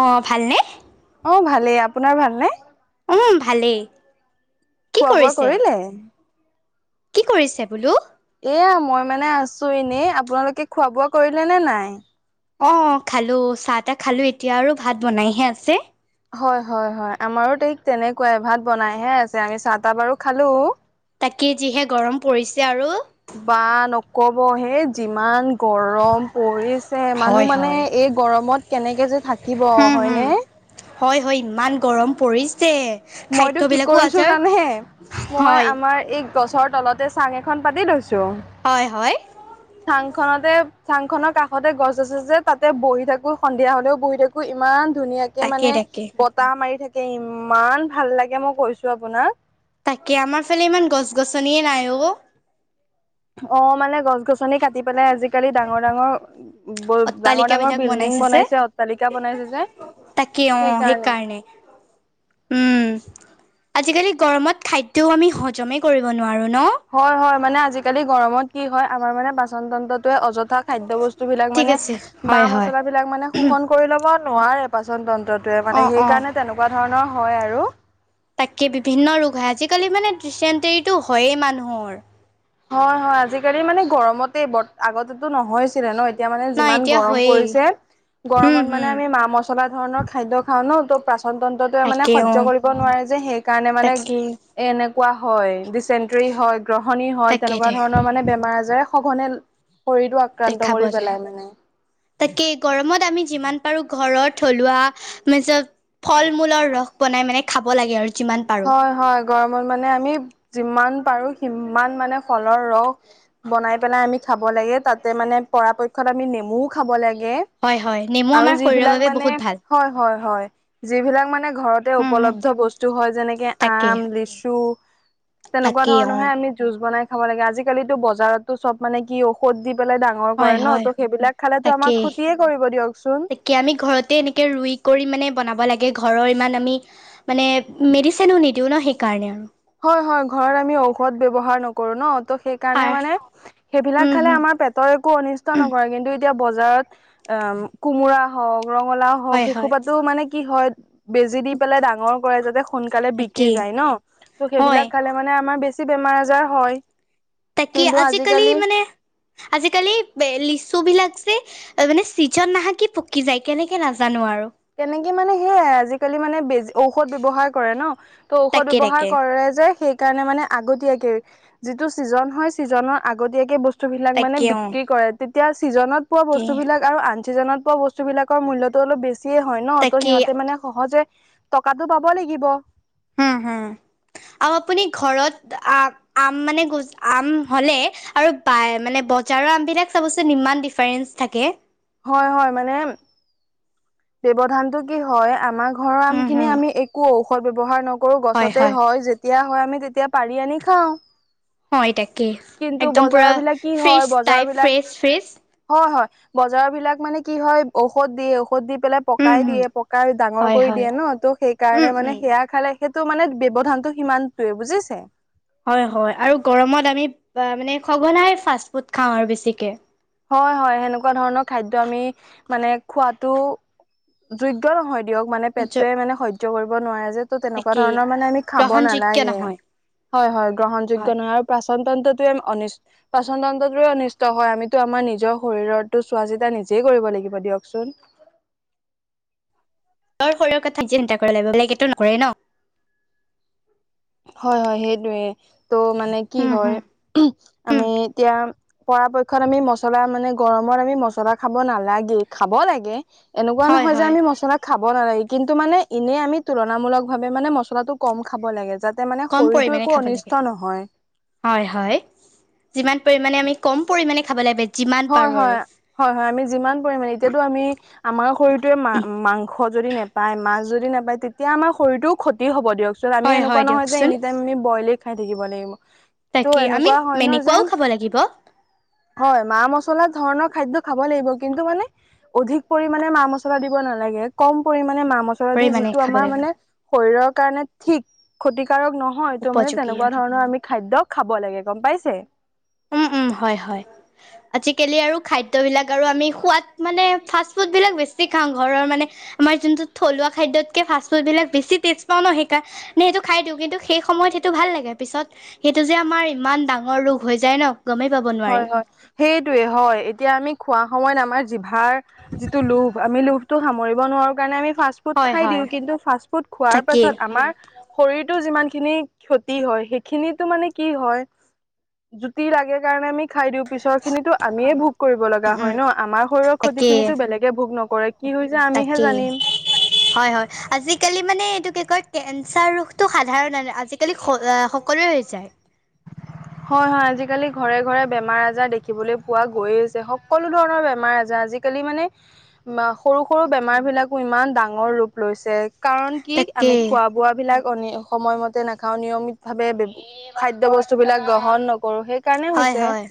অঁ' ভালনে? অঁ' ভালেই, আপোনাৰ ভালনে? উমঁ' ভালেই। কি খোৱা বোৱা কৰিছে? কৰিলে? কি কৰিছে বোলো? এয়া, মই মানে আছো এনেই, আপোনালোকে খোৱা বোৱা কৰিলে নে নাই? অঁ' খালো, চাহ তাহ খালো এতিয়া আৰু ভাত বনাইহে আছে। হয় হয় হয়, আমাৰো ঠিক তেনেকুৱাই ভাত বনাইহে আছে আমি চাহ তাহ বাৰু খালো। তাকে যিহে গৰম পৰিছে আৰু। বা নকবহে যিমান গৰম- পৰিছে মানুহ হয়, মানে হয়। এই গৰমত কেনেকে যে থাকিব, হুম, হুম। হয়নে? হয় হয়, ইমান গৰম পৰিছে। মইতো কি খাদ্যবিলাকো কৰিছো আজাৰ জানে, মই হয়, আমাৰ এই গছৰ তলতে চাং এখন পাতি লৈছোঁ। হয় হয়। [unintelligible] চাং খনতে, চাং খনৰ কাষতে গছ আছে যে তাতে বহি থাকো সন্ধিয়া হ'লেও বহি থাকো। ইমান ধুনীয়াকে কে তাকে, মানে তাকে। বতাহ মাৰি থাকে ইমান ভাল লাগে মই কৈছো আপোনাক। তাকে আমাৰ ফালে ইমান গছ-গছনিয়ে নাই অঁ। অ মানে গছ-গছনি কাটি পেলাই আজিকালি ডাঙৰ-ডাঙৰ, ব ডাঙৰ ডাঙৰ অট্টালিকাবিলাক বিল্ডিং যে। বনাইছে অট্টালিকা বনাইছে যে তাকে অ সেই সেইকাৰণে কাৰণে উম আজিকালি গৰমত খাদ্যও আমি হজমেই কৰিব নোৱাৰোঁ ন। হয় হয় মানে আজিকালি গৰমত কি হয় আমাৰ মানে পচনতন্ত্ৰটোৱে অযত তথা খাদ্য বস্তু বিলাক ঠিক মানে আছে বাঁ হয় হয় মচলাাবলাক মানে শোষণ কৰি ল'ব নোৱাৰে পাচন তন্ত্ৰত। টোৱে অ মানে অ সেইকাৰণে তেনেকুৱা ধৰণৰ হয় আৰু তাতকে বিভিন্ন ৰোগ হয় আজিকালি মানে ৰিচেণ্টৰৰিো হয়েই মানুহৰ হয় হয় আজিকালি মানে গৰমতে ব আগতেতো নহয়ছিলে ন এতিয়া মানে নাই যিমান এতিয়া গৰম হয়েই পৰিছে হুম গৰমত মানে হুম আমি মা মছ মচলা ধৰণৰ খাদ্য খাওঁ ন ত' প্ৰাচন তন্ত্ৰত। মানে তাকে সহ্য অ কৰিব নোৱাৰে যে সেইকাৰণে মানে তাকে এ এনেকুৱা হয় ডিচেণ্টৰী হয় গ্ৰহণী হয় তাকে তেনেকুৱা দে ধৰণৰ মানে বেমাৰ আজাৰে সঘনে কৰি দোৱাক আক্ৰান্ত দেখা পোৱা যায়। তাকে গৰমত আমি যিমান পাৰো ঘৰৰত থলুৱা ম ফল মূলৰ ৰস বনাই মানে খাব লাগে আৰু যিমান পাৰো হয় হয় গৰমত মানে আমি যিমান পাৰো সিমান মানে ফলৰ ৰস বনাই পেলাই আমি খাব লাগে তাতে মানে পৰাপক্ষত আমি নেমুও খাব লাগে। হয় হয় নেমু আৰু আমাৰ শৰীৰৰ যিবিলাক বাবে মানে বহুত ভাল হয় হয় হয়। যিবিলাক মানে ঘৰতে উম, উম, উপলব্ধ বস্তু হয়। তেনেকে তাকে আম লিচু তেনেকুৱা তাকেই অ ধৰণৰহে আমি জুজ বনাই খাব লাগে আজিকালিতো বজাৰতো চব মানে কি ঔষধ দি পেলাই দ ডাঙৰ হয় কৰে ন হয় ত' সেইবিলাক খালেো আমাৰ ক্ষতিয়ে কৰিব দিয়কচোন। কি আমি ঘৰতে এনেকে ৰুই কৰি মানে বনাব লাগে ঘৰৰ ইমান আমি মানে মেডিচিনো নিদিওঁ ন সেইকাৰণে আৰু হয় হয় ঘৰত আমি ঔষধ ব্যৱহাৰ নকৰো ন ত সেই কাৰণে সাৰ মানে সেইবিলাক উম খালে হম আমাৰ পেটৰ একো অনিষ্ট নকৰে কিন্তু এতিয়া বজাৰত। অ কোমোৰা হওক ৰঙালাও হওক হয় হয় সেইখোপাতো মানে কি হয়? বেজি দি পেলাই ডাঙৰ কৰে যাতে সোনকালে বিক্ৰী তাকেই যায় ন ত' হয় সেইবিলাক খালে মানে আমাৰ বেছি বেমাৰ আজাৰ হয়। তাকি আজিকালি মানে আজিকালি লিচু বিলাক যে মানে চিজন নাহে কি পকি যায় কেনেকে নাজানো আৰু তেনেকে মানে সেয়াই আজিকালি মানে বেজ ঔষধ ব্যৱহাৰ কৰে ন ত ঔষধ তাকে ব্যৱহাৰ তাকে কৰে যে সেই কাৰণে মানে আগতীয়াকে যিটো ছিজন হয় ছিজনৰ আগতীয়াকে বস্তু বস্তু বিলাক তাকে অ বিক্ৰী কৰে তেতিয়া ছিজনত পোৱা তাকে বস্তু বিলাক আৰু আন চিজনত পোৱা বস্তু বিলাকৰ মূল্যতটো অলপ বেছিয়ে হয় ন ত' তাকে সিহতে মানে সহজে টকাতটো পাব লাগিব। হম হম [inaudible] আৰু আপুনি ঘৰত আ আম মানে গ আম হলে আৰু বাই মানে বজাৰৰ আমবিলাক চাবচোন ইমান ডিফাৰেন্ঞ্চ থাকে। হয় হয় মানে ব্যৱধানটো কি হয় আমাৰ ঘৰৰ আম হম খিনি হম আমি একো ঔষধ ব্যৱহাৰ নকৰো কৰো গছতে হয় যেতিয়া হয় আমি তেতিয়া পাৰি আনি খাওঁ। হয় এটাাকে কিন্তু একদম পুৰা বজাৰবিলাক কি হয় ফ্ৰেচ টাইপ বজাৰবিলাক ফ্ৰেছ ফ্ৰেছ হয় হয় বজাৰ বিলাক মানে কি হয় ঔষধ দিয়ে ঔষধ দি পেলাই উম পকাই হম দিয়ে পকাই ডাঙৰ হয় কৰি হয় দিয়ে ন ত' উম সেইকাৰণে মানে উম সেয়া খালে সেইটো মানে ব্যৱধানতটো সিমানটোৱে বুজিছে হয় হয় আৰু গৰমত আমি মানে সঘনাই ফাষ্ট ফুড খাওঁ আৰু বেছিকে হয় হয় সেনেকুৱা ধৰণৰ খাদ্য আমি মানে খোৱাতো যোগ্য় নহয় দিয়ক মানে পেটোৱে মানে সজ্য কৰিব নোৱাৰে যে ত তেনেকুৱা তাকেই ধৰণৰ মানে আমি খাব গ্ৰহণযোগ্য নালাগে নহয় হয়- হয় -গ্ৰহণ হয় যোগ্য নহয় পাচন তন্ত্ৰটোৱে পাচন তন্ত্ৰটোৱে অনিষ্ট হয় আমি তো আমাৰ নিজৰ শৰীৰতো চোৱা চিতা নিজেই কৰিব লাগিব দিয়কচোন তৰ শৰীৰৰ কথাঠাইি চিন্তা কৰি লাগিব বেলেগ এইটো নকৰে ন হয় -হয় -সেইটোৱে ত' মানে কি উম হয় হম আমি উম এতিয়া পৰাপক্ষত আমি মচলা মানে গৰমত আমি মচলা খাব নালাগে খাব লাগে এনেকুৱা হয় নহয় যে হয় আমি মছলা খাব নালাগে কিন্তু মানে এনেই আমি তুলনামূলক ভাৱে মানে মছলাটো কম খাব লাগে যাত তা মানে কম শৰীৰটো পৰিমাণে একো খাব লাগে অনিষ্ট নহয় হয়- হয়- যিমান পৰিমাণে আমি কম পৰিমাণে খাবলৈ বে হয় -হয় -হয় -হয় -আমি যিমান পৰিমণে এতিয়াতো আমি আমাৰ শৰীৰটোৱে মা মাংস যদি নোপায় মাছ যদি নোপায় তেতিয়া আমাৰ শৰীৰটোও ক্ষতি দি হ'ব দিয়কচোন আমি হয় এনেকুৱা হয় নহয় যে দিয়কচোন এনি টাইম আমি বইলেই খাই থাকিব লাগিব ত' তাকে আমি এনেকুৱা হয় ন যে এনেকুৱাও খাব লাগিব হয় মা মছলা ধৰণৰ খাদ্য খাব লাগিব কিন্তু মানে অধিক পৰিমামানে মা মছলা দিব নালাগে কম পৰিমমানমানে মা মছলা দি পৰিমাণে যিটো খাব আমাৰ লাগিব মানে শৰীৰৰ কাৰণে ঠিক ক্ষতিকাৰক নহয় তটো মানে উপযোগী আৰু তেনেকুৱা ধৰণৰ আমি খাদ্য খাব লাগে গম পাইছে উম- উম- হয় -হয় আজিকালি আৰু খাদ্যবিলাক আৰু আমি সোৱাদ মানে ফাষ্ট ফুডবিলাক বেছি খাওঁ ঘৰৰ মানে আমাৰ যোনটো থলুৱা খাদ্যতকে ফাষ্ট ফুড বিলাক বেছি টেষ্ট পাওঁ ন সেইকাৰণ নে সেইটো খাই দিওঁ কিন্তু সেই সময়ত সেইটো ভাল লাগে পিছত সেইটো যে আমাৰ ইমান ডাঙৰ ৰোগ হৈ যায় ন গমেই পাব নোৱাৰি হয় -হয়- সেইটোোৱে হয় এতিয়া আমি খোৱা সময়ত আমাৰ জিভাৰ যিটো লোভ আমি লোভটো সামৰিব নোৱাৰো কাৰণে আমি ফাৰ্ষ ফুড হয় খাই দিওঁ হয় কিন্তু ফাষ্ট ফুড খোৱাৰ তাকেই পাছত আমাৰ শৰীৰতটো যিমান খিনি ক্ষতি হয় সেইখিনি মানে কি হয় জুতি লাগে কাৰণ আমি খাই দিওঁ পিছৰ খিনিতো আমিয়ে ভোগ কৰিব লগা উম উম হয় ন আমাৰ শৰীৰৰ ক্ষতি তাকেই খিনিতো বেলেগে ভোগ নকৰে কি কৰিছে আমিহে তাকেই জানিম হয়- হয় -আজিকালি মানে এইটো কি কয় কেঞ্চাৰ ৰোগটো সাধাৰণ আজ কালি সকলোৱে হৈ যায় [unintelligible] হয় হয় আজিকালি ঘৰে ঘৰে বেমাৰ আজাৰ দেখিবলৈ পোৱা গৈয় আছে সকলো ধৰণৰ বেমাৰ আজাৰ আজি হি মানে সৰু সৰু বেমাৰ বিলাকো ইমান ডাঙৰ ৰূপ লৈছে কাৰণ কি আমি তাকেই খোৱা বোৱাবিলাক সময়মতে নাখাওঁ নিয়মিতভাৱে খাদ্য খাদ্য বস্তু বিলাক গ্ৰহণ নকৰোঁ সেই হয় হয়।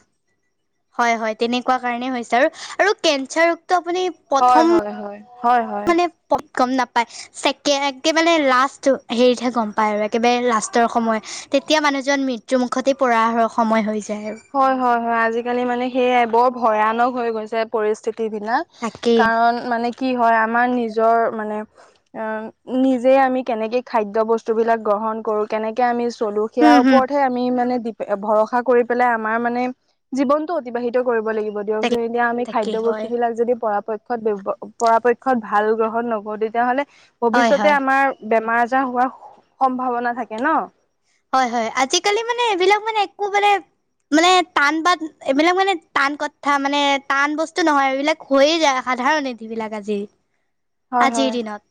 হয় হয়, তেনেকুৱা কাৰণেই হৈছে আৰু আৰু কেঞ্চাৰ ৰোগটো আপুনি হয় প্ৰথম হয় হয়, হয় হয়। [unintelligible] গম নাপায়। ছেকে একেবাৰে লাষ্টটো হেৰিতহে গম পায় আৰু একেবাৰে লাষ্টৰ সময়, তেতিয়া মানুহজন মৃত ত্যু মুখতে পৰা আৰু সময় হৈ যায় আৰু। হয় হয় হয়, আজিকালি মানে সেয়াই বৰ ভয়ানক হৈ গৈছে পৰিস্থিতিবিনাক। তাকেই কাৰণ মানে কি হয় আমাৰ নিজৰ মানে অ' নিজে আমি কেনেকে খাদ্যয় বস্তুবিলাক গ্ৰহণ কৰোঁ, কেনেকে আমি চলো। হম সেয়াৰ হম ওপৰতহে আমি ডি মানে ভৰসা কৰি পেলাই আমাৰ মানে জীৱনটো অতিবাহিত কৰিব লাগিব। দিয়ক তাকে যদি এতিয়া আমি খাদ্য তাকেই হয় বস্তুবিলাক যদি পৰাপক্ষত ব্যব পৰাপক্ষত ভাল গ্ৰহণ নকৰোঁ, তেতিয়াহ'লে হয় ভৱিষ্যতে হয় আমাৰ বেমাৰ আজাৰ হোৱাৰ সম্ভাৱনা থাকে ন'। হয় হয়, আজিকালি মানে এইবিলাক মানে একো মানে মানে টান বাত এইবিলাক মানে টান কথা মানে টান বস্তু নহয়। এইবিলাক হৈয়ে যায়, সাধাৰণ [unintelligible] বিলাক আজি। হয় আজিৰ হয় দিনত।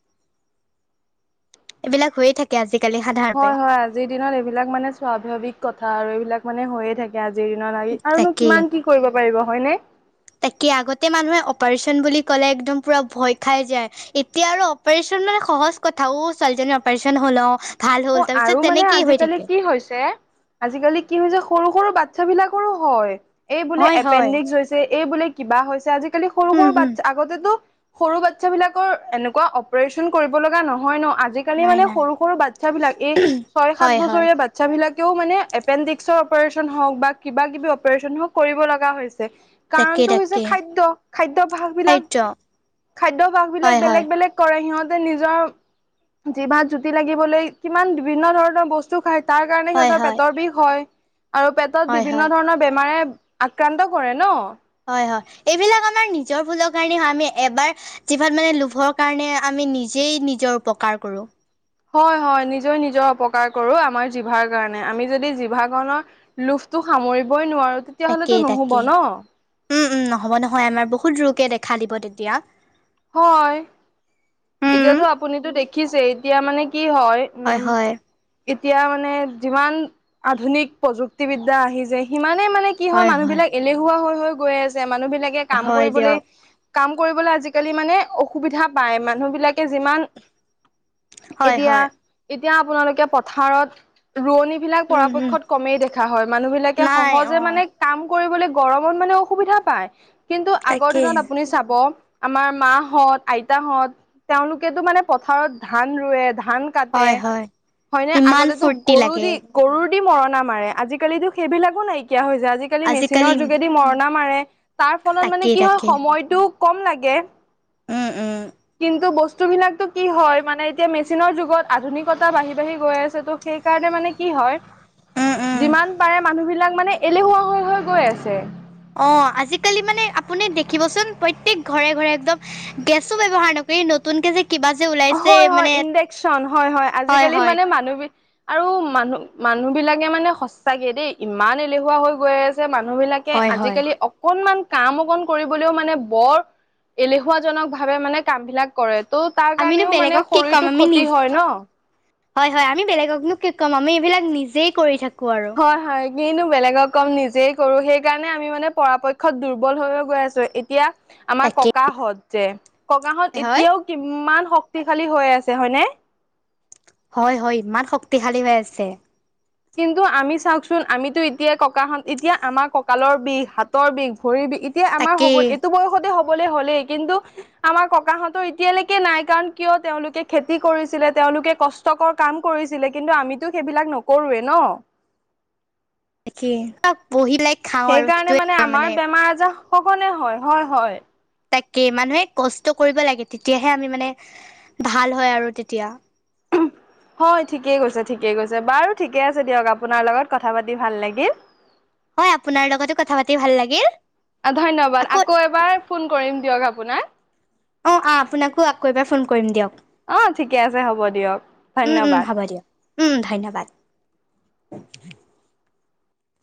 এইবিলাক হৈয়ে থাকে আজিকালি সাধাৰ হয় হয়, আজিৰ দিনত এইবিলাক মানে স্বভাৱিক কথা, আৰু এইবিলাক মানে হৈয়ে থাক আজিৰ দিনত লাগি, আৰুনো তাকেই কিমান কি কৰিব পাৰিব হয়নে? তাকে আগতে মানুহে অপাৰেচন বুলি ক'লে একদম পূৰা ভয় খাই যায়। এতিয়া আৰু অপাৰেচন মানে সহজ কথা, ও ছোৱালীজনী অপাৰচন হ'ল অ'। ভাল হ'ল অ' তাৰপিছত আৰু মানে তেনেকেই হৈ আজিকালি থাকে কি হৈছে আজিকালি কি হৈছে সৰু সৰু বাচ্ছাবিলাকৰো হয়। এই বোলে হয় হয় এপেণ্ডিক্স হৈছে, এই বোলে কিবা হৈছে, আজিকালি সৰু উম সৰু হম বাচ্ছা আগতেতো সৰু বাচ্ছবিলাকৰ এনেকুৱা অপাৰেচন কৰিব লগা নহয় ন' আজি কালি নাই মানে নাই সৰু সৰু বাচ্ছাবিলাক, এই ছয় সাত হয় হয় বছৰীয়া বাচ্ছাবিলাকেও মানে এপেণ্ডিক্সৰ অপাৰেচন হও'ক বা কিবা কিবি অপাৰেচন হওঁক কৰিব লগা হৈছে। তাকে কাৰণটো হৈছে তাকে খাদ্য। খাদ্যভাসবিলাক, খাদ্য খাদ্যভাসবিলাক হয় হয় বেলেগ বেলেগ। কৰে, সিহঁতে নিজৰ জিভাত জুতি লাগিবলৈ কিমান বিভিন্ন ধৰণৰ বছ তো খায়, তাৰ কাৰণে হয় সিহঁতৰ হয় পেটৰ বিষ হয় আৰু পেটত হয় বিভিন্ন হয় ধৰণৰ বেমাৰে আক্ৰান্ত কৰে ন'। হয় হয়। এইবিলাক আমাৰ নিজৰ ভুলৰ কাৰণে হয়, আমি এবাৰ জিভাত মানে লোভৰ কাৰণে আমি নিজেই নিজৰ অপকাৰ কৰোঁ। হয় হয়, নিজই নিজৰ অপকাৰ কৰোঁ আমাৰ জিভাৰ কাৰণে। আমি যদি জিভাখনক লোভটো সামৰিবই নোৱাৰো তাকে তেতিয়াহ'লেতো নুহুব তাকে। ন উম, উম, নহ'ব নহয়, আমাৰ বহুত ৰোগে দেখা দিব তেতিয়া। হয়। উম এতিয়াতো আপুনিতো দেখিছেই, এতিয়া মানে কি হয় হয় উম হয়। এতিয়া মানে যিমান আধুনিক প্ৰযুক্তিবিদ্যা আহি যায় সিমানে মানে কি হয়, মানুহবিলাক এলেহুৱা হৈ হৈ গৈ আছে। মানুহবিলাকে কাম হয় কৰিবলৈ দিয়ক কাম কৰিবলৈ আজিকালি মানে অসুবিধা পায়। মানুহবিলাকে যিমান হয় এতিয়া হয় এতিয়া আপোনালোকে পথাৰত ৰোৱনী বিলাক উম হম পৰাপক্ষত কমেই দেখা হয়। মানুহবিলাকে নাই অ সহজে মানে কাম কৰিবলৈ গৰমত মানে অসুবিধা পায়। কিন্তু আগৰ তাকেই দিনত আপুনি চাব আমাৰ মাহঁত আইতাহঁত তেওঁলোকেতো মানে পথাৰত ধান ৰোৱে ধান কাটে। হয় হয় হয়নে? ইমান আগতেটো ফূৰ্তি গৰু লাগে দি গৰুৰ দি মৰণা মাৰে। আজিকালিতো সেইবিলাকো নাইকিয়া হৈছে। আজি কালি আজিকালি মেচিনৰ যোগেদি মৰণা মাৰে। তাৰ ফলত মানে তাকেই কি হয়, তাকেই সময়টো কম লাগে। উম উম। কিন্তু বস্তুবিলাকতো কি হয়, মানে এতিয়া মেচিনৰ যুগত আধুনিকতা বাঢ়ি বাঢ়ি গৈ আছেতো সেইকাৰণে মানে কি হয়। উম উম যিমান পাৰে মানুহ বিলাক মানে এলেহুৱা হৈ হৈ গৈ আছে। অ' আজিকালি মানে আপুনি দেখিবচোন প্ৰত্যেক ঘৰে ঘৰে একদম গেছো ব্যৱহাৰ নকৰে, এই নতুনকে যে কিবা যে ওলা হয় হয় ইণ্ডেকচন। হয় হয় আজিকালি মানে মানুহ বি আৰু মানুহ মানুহ বিলাকে মানে সচাঁকে দেই ইমান এলেহুৱা হৈ গৈ আছে মানুহ বিলা কে হয় হয় আজিকালি অকনমান কাম অকন কৰিবলেও মানে বৰ এলেহুৱাজনক ভাৱে মানে কাম বিলাক কৰে, ত' তাৰ আমিনো কাৰণেও মানে বেলেগক কি ক'ম শৰীৰটো আমি ক্ষতি নিজ হয় ন। হয় হয়, আমি বেলেগকনো কি ক'ম আমি এইবিলাক নিজেই কৰি থাকো আৰু। হয় হয়, কিনো বেলেগক কম নিজেই কৰো সেইকাৰণে আমি মানে পৰাপক্ষত দুৰ্বল হৈ হৈ গৈ আছো। এতিয়া আমাৰ তাকে ককাহঁত যে ককাহঁত হয় এতিয়াও কিমান শক্তিশালী হৈ আছে। হয় নে? হয় হয় ইমান শক্তিশালী হৈ আছে। কিন্তু আমি চাওকচোন আমিতো এতিয়াই ককাহত এতিয়া আমাৰ কঁকালৰ বিষ হাতৰ বিষ ভৰিৰ বিষ এতিয়া আমাৰ হব তাকেই এইটো বয়সতে হ'বলে হ'লেই কিন্তু আমাৰ ককাহঁতৰ এতিয়ালৈকে নাই কাৰণ, কিয় তেওঁলোকে খেতি কৰিছিলে তেওঁলোকে ক ষ্টকৰ কাম কৰিছিলে কিন্তু আমিতো সেইবিলাক নকৰোৱে ন। তাকে আ বহি লাইক সেইকাৰণে মানে আমাৰ বেমাৰ আজাৰ সঘনে হয়। হয় হয়। তাকে মানুহে কষ্ট কৰিব লাগে তেতিয়াহে আমি মানে ভাল হয় আৰু তেতিয়া। হয় ঠিকেই কৈছে ঠিকেই কৈছে। বাৰু ঠিকে আছে দিয়ক আপোনাৰ লগত কথা পাতি ভাল লাগিল। হয় আপোনাৰ লগতো কথা পাতি ভাল লাগিল। ধন্যবাদ আকৌ এবাৰ ফোন কৰিম দিয়ক আপোনাক। অ আহ আপোনাকো আকৌ এবাৰ ফোন কৰিম দিয়ক। অঁ ঠিকে আছে হ'ব দিয়ক, উম উম ধন্যবাদ। হ'ব দিয়ক উম ধন্যবাদ।